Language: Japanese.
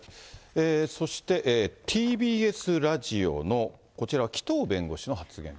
そして、ＴＢＳラジオの、こちらは紀藤弁護士の発言。